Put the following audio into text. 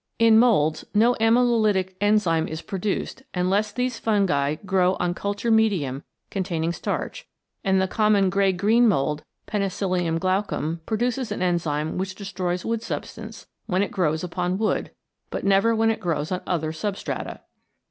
In moulds no amylolytic enzyme is produced unless these fungi grow on culture medium containing starch, and the common grey green mould Penicillium glaucum produces an enzyme which destroys wood substance, when it grows upon wood, but never when it grows on other substrata.